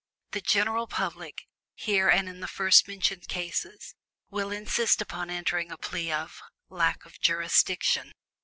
The general public, here and in the first mentioned cases, will insist upon entering a plea of "LACK OF JURISDICTION."